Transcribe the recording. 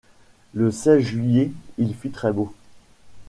Le seize juillet, il fit très beau.